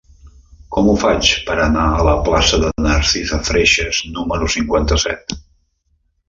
Com ho faig per anar a la plaça de Narcisa Freixas número cinquanta-set?